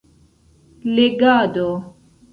legado